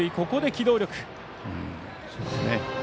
ここで機動力。